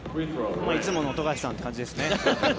いつもの富樫さんって感じでしたね。